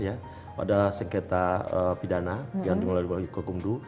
ada sengketa pidana yang dimulai mulai ke gumdu